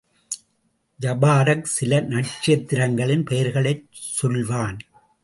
ஜபாரக் சில நட்சத்திரங்களின் பெயர்களைச் சொல்வான்.